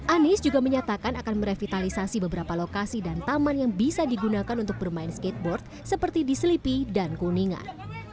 anies juga menyatakan akan merevitalisasi beberapa lokasi dan taman yang bisa digunakan untuk bermain skateboard seperti di selipi dan kuningan